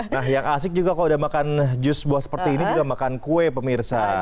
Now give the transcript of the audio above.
nah yang asik juga kalau udah makan jus buah seperti ini juga makan kue pemirsa